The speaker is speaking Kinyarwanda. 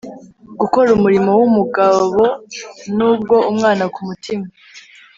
Gukora umurimo wumugabo nubwo umwana kumutima